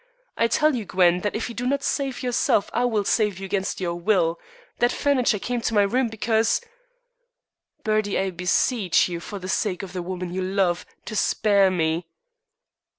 I tell you, Gwen, that if you do not save yourself I will save you against your will. That furniture came to my room because " "Bertie, I beseech you, for the sake of the woman you love, to spare me."